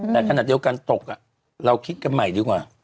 แต่ขณะเดียวกันตกเราคิดกันใหม่ดีกว่า